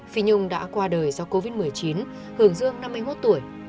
phi nhung đã qua đời do covid một mươi chín hưởng dương năm mươi một tuổi